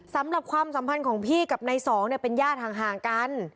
สำหรับความสัมพันธ์ของพี่กับนายสองเป็นญาติห่างกัน